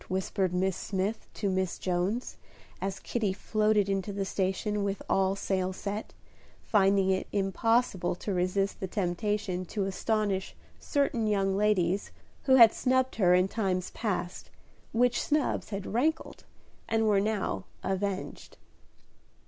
whispered Miss Smith to Miss Jones, as Kitty floated into the station with all sail set, finding it impossible to resist the temptation to astonish certain young ladies who had snubbed her in times past, which snubs had rankled, and were now avenged.